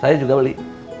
saya juga beli